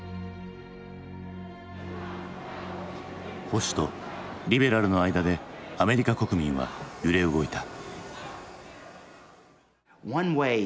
保守とリベラルの間でアメリカ国民は揺れ動いた。